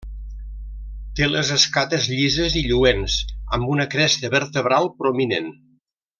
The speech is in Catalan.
Té les escates llises i lluents, amb una cresta vertebral prominent.